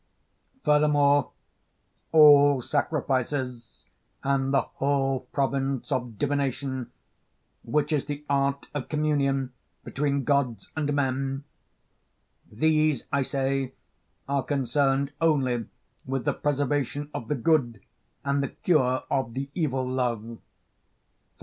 Furthermore all sacrifices and the whole province of divination, which is the art of communion between gods and men these, I say, are concerned only with the preservation of the good and the cure of the evil love.